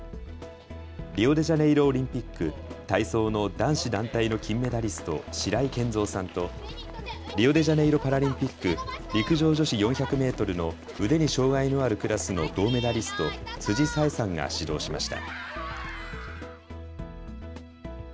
リオデジャネイロオリンピック体操の男子団体の金メダリスト、白井健三さんとリオデジャネイロパラリンピック、陸上女子４００メートルの腕に障害のあるクラスの銅メダリスト、辻沙絵さんが指導しました。